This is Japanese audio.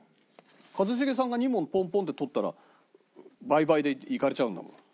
一茂さんが２問ポンポンって取ったら倍倍でいかれちゃうんだもん。